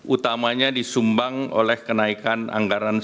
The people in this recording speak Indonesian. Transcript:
utamanya disumbang oleh kenaikan anggaran